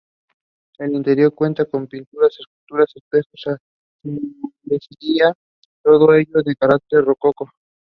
He made two appearances for the club.